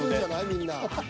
みんな。